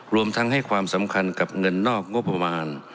รวมทั้งให้ความสำคัญกับเงินนอกงบประมาณ